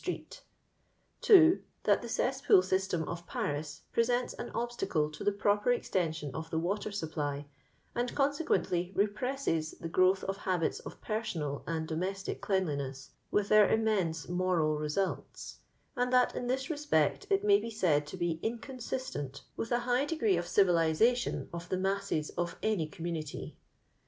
*« That the eeespooi ^jalem of Paria pre aanto an obataele to the pnper eKtension of the water siqpply, and eonse^Mitlj represses the growth of habito of personal and domeatie elettlinees, with their immense mosal resnltoi and that in thia respeet it majbeaaidto be inoonaistent with a high degree of dviUxatioii of the maaaea of any eomaianity.